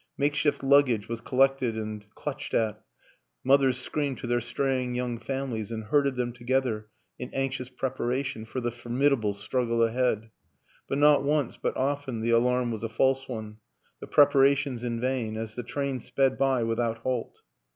Makeshift luggage was collected and clutched at, mothers screamed to their straying young families and herded them together in anxious preparation for the formidable struggle ahead; but not once but often the alarm was a false one, the prepara tions in vain, as the train sped by without halt.